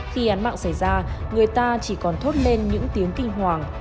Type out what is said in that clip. khi án mạng xảy ra người ta chỉ còn thốt lên những tiếng kinh hoàng